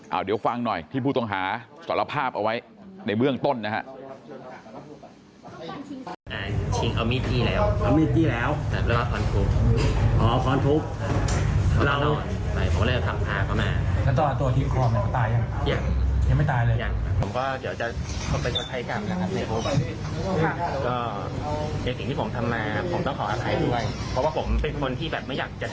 เอาเดี๋ยวฟังหน่อยที่ผู้ต้องหาสารภาพเอาไว้ในเบื้องต้นนะครับ